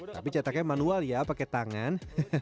tapi cetaknya manual ya pakai tangan